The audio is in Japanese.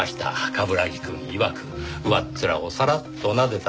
冠城くんいわく上っ面をさらっとなでただけ。